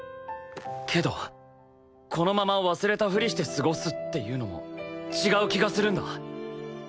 けどこのまま忘れたふりして過ごすっていうのも違う気がするんだ！